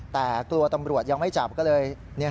แต่กลัวตำรวจยังไม่จับก็เลย